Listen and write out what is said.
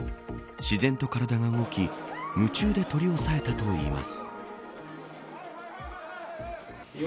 自然と体が動き夢中で取り押さえたといいます。